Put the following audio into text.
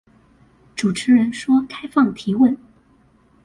主持人說開放提問